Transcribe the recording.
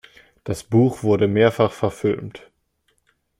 Das Buch wurde mehrfach verfilmt.